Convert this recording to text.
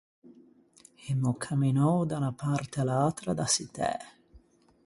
Emmo camminou da unna parte à l’atra da çittæ.